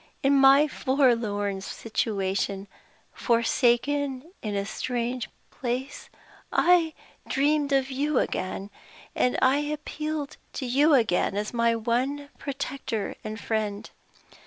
In my forlorn situation, forsaken in a strange place, I dreamed of you again, and I appealed to you again as my one protector and friend.